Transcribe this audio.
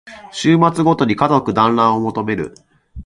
週末ごとに家族だんらんを求める